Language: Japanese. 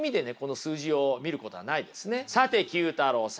さて９太郎さん。